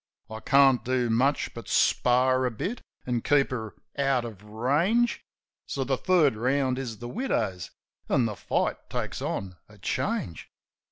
I can't do much but spar a bit, an' keep her out of range; So the third round is the widow's; an' the fight takes on a change.